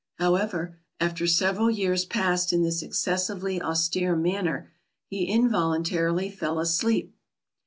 However, after several years passed in this excessively austere manner, he involuntarily fell asleep.